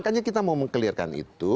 makanya kita mau meng clear kan itu